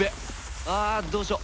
ああどうしよう？